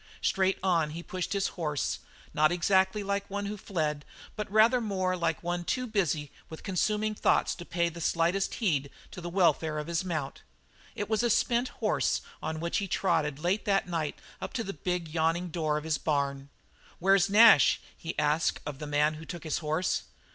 Straight on he pushed his horse, not exactly like one who fled but rather more like one too busy with consuming thoughts to pay the slightest heed to the welfare of his mount. It was a spent horse on which he trotted late that night up to the big, yawning door of his barn. "Where's Nash?" he asked of the man who took his horse.